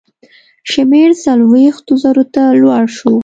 شمېر څلوېښتو زرو ته لوړ شو.